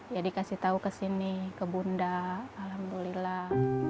ya dikasih tahu ke sini ke bunda alhamdulillah